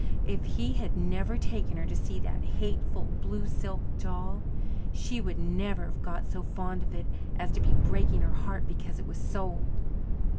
If he had never taken her to see that hateful, blue silk doll, she would never have got so fond of it as to be breaking her heart because it was sold.